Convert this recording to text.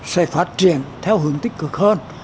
sẽ phát triển theo hướng tích cực hơn